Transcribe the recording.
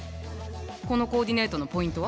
このコーディネートのポイントは？